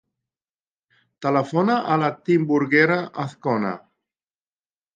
Telefona a la Timburguera Azcona.